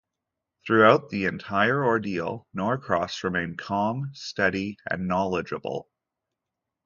Throughout the entire ordeal, Norcross remained calm, steady, and knowledgeable.